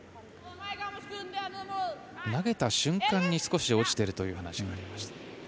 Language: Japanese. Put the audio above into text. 投げた瞬間に少し落ちてるという話がありました。